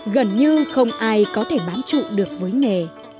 gần như không ai có thể bám trụ được với nghề